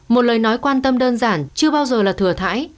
một lời nói quan tâm đơn giản chưa bao giờ là thừa thái